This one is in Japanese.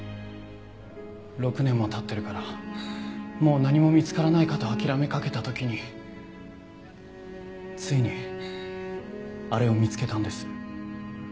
６年も経ってるからもう何も見つからないかと諦めかけた時についにあれを見つけたんです